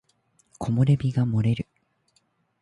木漏れ日が漏れる